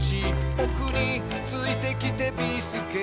「ぼくについてきてビーすけ」